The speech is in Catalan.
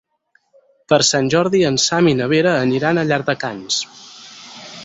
Per Sant Jordi en Sam i na Vera aniran a Llardecans.